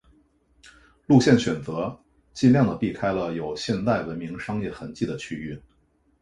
路线选择尽量的避开了有现代文明商业痕迹的区域。